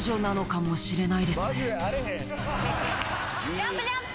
ジャンプジャンプ。